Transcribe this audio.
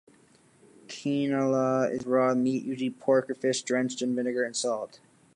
"Kinilaw" is raw meat usually pork or fish drenched in vinegar and salt.